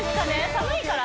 寒いから？